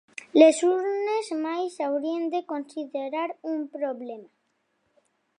Les urnes mai s’haurien de considerar un problema.